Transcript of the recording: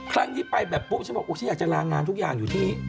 ครั้งนี้ไปแบบปุ๊บฉันบอกอุ๊ยเชี่ยอยากจะลางงานทุกอย่างอยู่ที่